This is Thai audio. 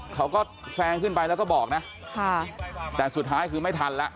เขาก็แซงขึ้นไปแล้วก็บอกนะค่ะแต่สุดท้ายคือไม่ทันแล้ว